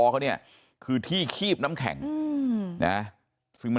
ไม่รู้ตอนไหนอะไรยังไงนะ